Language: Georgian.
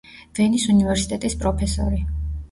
ვენის უნივერსიტეტის პროფესორი.